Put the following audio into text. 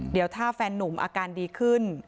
เดี๋ยวถ้าแฟนนุ่มอาการดีขึ้น